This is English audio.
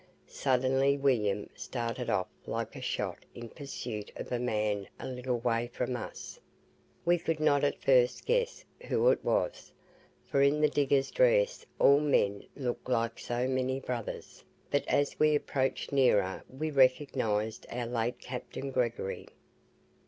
Suddenly William started off like a shot in pursuit of a man a little way from us. We could not at first guess who it was, for in the diggers' dress all men look like so many brothers; but as we approached nearer we recognised our late captain, Gregory.